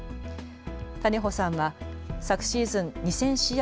谷保さんは昨シーズン２０００試合